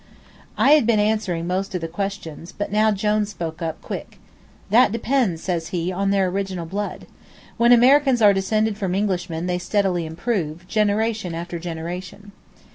I had been answering most of the questions, but now Jone spoke up quick. "That depends," says he, "on their original blood. When Americans are descended from Englishmen they steadily improve, generation after generation."